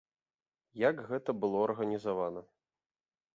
Як гэта было арганізавана?